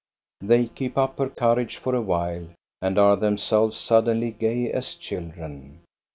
They keep up her courage for a while and are themselves suddenly gay as children.